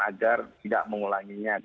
agar tidak mengulanginya